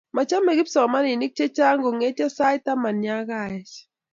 Machomei kipsomaninik che chang' kong'etio sait taman ya kaech